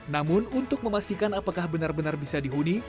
namun untuk memastikan apakah benar benar bisa dihuni